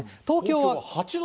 東京は。